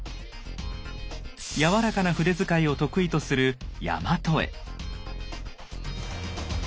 柔らかな筆遣いを得意とするやまと絵。